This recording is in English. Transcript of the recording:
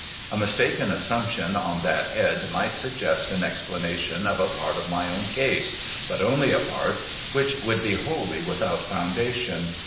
A mistaken assumption on that head might suggest an explanation of a part of my own case, — but only a part,' — which would be wholly without foundation.